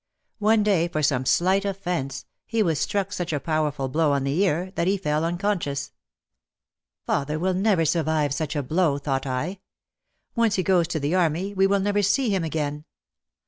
One day, for some slight offence, he was struck such a powerful blow on the ear that he fell unconscious. Father will never survive such a blow, thought I. Once he goes to the army we will never see him again.